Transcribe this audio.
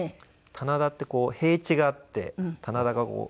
棚田ってこう平地があって棚田が斜面。